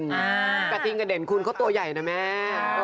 นำเสียงกระดิ่นของเด่นคุณก็ตัวใหญ่นะแม่